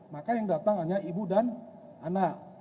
maka yang datang hanya ibu dan anak